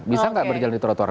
bisa nggak berjalan di trotoar